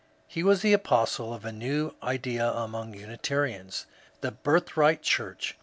He was the apostle of a new idea among Unitarians, — the birthright church.